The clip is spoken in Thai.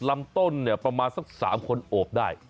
ลำต้นประมาณสัก๓คนโอบได้